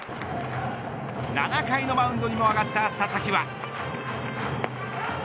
７回のマウンドにも上がった佐々木は。